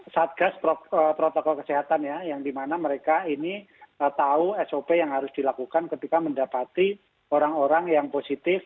satgas protokol kesehatan ya yang dimana mereka ini tahu sop yang harus dilakukan ketika mendapati orang orang yang positif